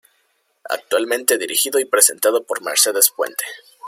Actualmente dirigido y presentado por Mercedes Puente.